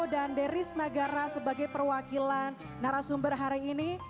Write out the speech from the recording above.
dan dery snegara sebagai perwakilan narasumber hari ini